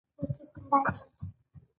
_کونډه او د هغې ماشومان مې سترګو ته ولاړ دي.